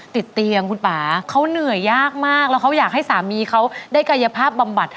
ติดเตียงคุณป่าเขาเหนื่อยยากมากแล้วเขาอยากให้สามีเขาได้กายภาพบำบัด